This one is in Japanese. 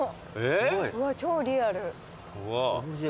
超リアル。